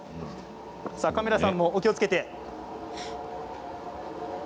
カメラさんも、お気をつけて。